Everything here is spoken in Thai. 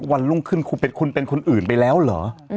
วันรุ่งขึ้นคุณเป็นคนอื่นไปแล้วเหรอ